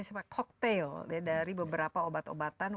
cocktail dari beberapa obat obatan